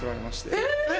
えっ